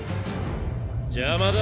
邪魔だ。